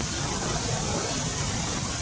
kota yang terkenal dengan